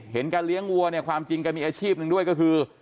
เห็นการเลี้ยงวัวความจริงกันมีอาชีพนึงด้วยก็คือ